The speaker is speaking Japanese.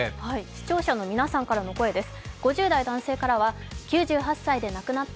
視聴者の皆さんからの声です。